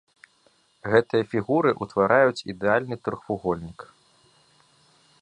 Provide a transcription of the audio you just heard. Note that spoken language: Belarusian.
Гэтыя фігуры ўтвараюць ідэальны трохвугольнік.